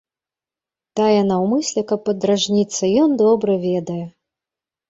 Тая наўмысля, каб падражніцца, ён добра ведае.